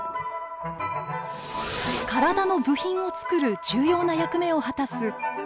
体の部品を作る重要な役目を果たすたんぱく質。